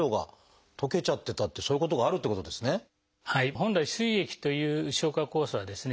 本来すい液という消化酵素はですね